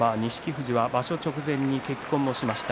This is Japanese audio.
富士は場所直前に結婚しました。